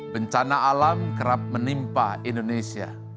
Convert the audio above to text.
bencana alam kerap menimpa indonesia